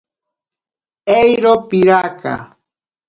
Eiro piraka.